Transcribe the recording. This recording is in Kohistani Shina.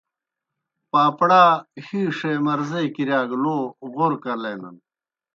پاپڑا ہیشے مرضے کِرِیا گہ لو غورہ کلینَن۔